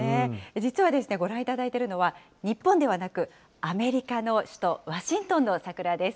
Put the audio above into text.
実はご覧いただいているのは、日本ではなく、アメリカの首都ワシントンの桜です。